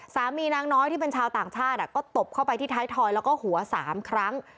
นางน้อยที่เป็นชาวต่างชาติก็ตบเข้าไปที่ท้ายทอยแล้วก็หัว๓ครั้ง